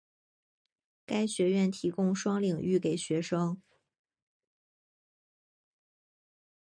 该学院提供双领域给学生。